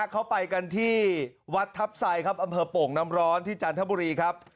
เขาไปกันที่วัดทัพไซครับอำเภอโป่งน้ำร้อนที่จันทบุรีครับ